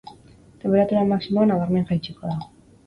Tenperatura maximoa nabarmen jaitsiko da.